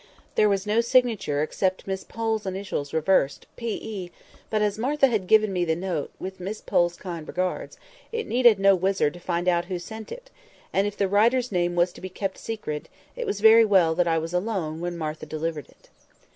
There was no signature except Miss Pole's initials reversed, P.E.; but as Martha had given me the note, "with Miss Pole's kind regards," it needed no wizard to find out who sent it; and if the writer's name was to be kept secret, it was very well that I was alone when Martha delivered it.